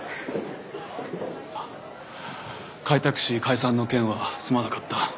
開拓使解散の件はすまなかった。